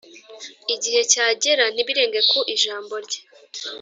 igihe cyagera, ntibirenge ku ijambo rye.